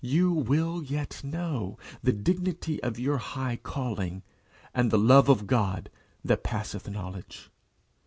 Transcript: You will yet know the dignity of your high calling, and the love of God that passeth knowledge.